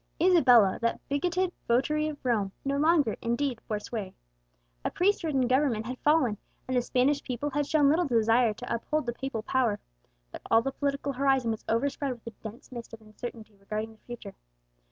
Isabella, that bigoted votary of Rome, no longer, indeed, bore sway; a priest ridden government had fallen, and the Spanish people had shown little desire to uphold the Papal power; but all the political horizon was overspread with a dense mist of uncertainty regarding the future.